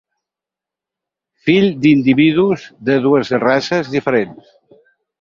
Fill d'individus de dues races diferents.